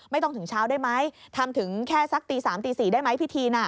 ไม่ต้องถึงเช้าได้ไหมทำถึงแค่สักตี๓๔ได้ไหมพิธี